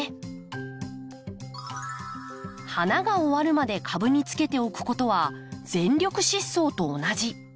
花が終わるまで株につけておくことは全力疾走と同じ。